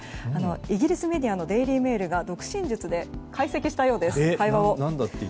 イギリスメディアのデイリー・メールが読唇術で解析したようです会話を。